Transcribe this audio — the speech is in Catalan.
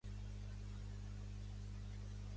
El meu fill es diu Lian: ela, i, a, ena.